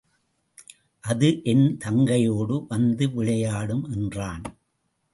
அது என் தங்கையோடு வந்து விளையாடும் என்றான்.